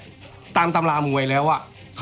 พี่แดงก็พอสัมพันธ์พูดเลยนะครับ